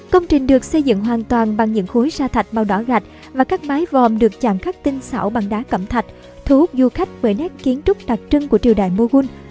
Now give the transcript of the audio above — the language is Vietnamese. công trình được xây dựng hoàn toàn bằng những khối sa thạch màu đỏ gạch và các mái vòm được chạm khắc tinh xảo bằng đá cẩm thạch thu hút du khách với nét kiến trúc đặc trưng của triều đại moghun